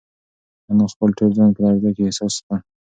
انا خپل ټول ځان په لړزه کې احساس کړ.